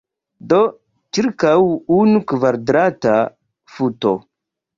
De ĉirkaŭ unu kvadrata futo.